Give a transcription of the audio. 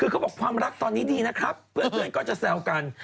คือเขาบอกความรักตอนนี้ดีนะครับเพื่อนก็จะแซวกัน